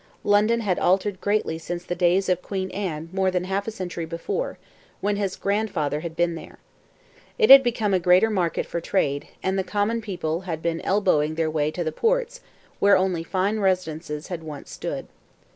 London had altered greatly since the days of Queen Anne more than half a century before, when his grandfather had been there. It had become a greater market for trade, and the common people had been elbowing their way to the parts where only fine residences had once stood.